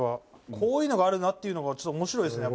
こういうのがあるなっていうのが面白いですね